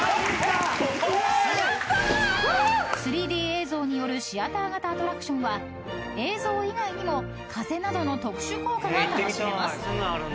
［３Ｄ映像によるシアター型アトラクションは映像以外にも風などの特殊効果が楽しめます］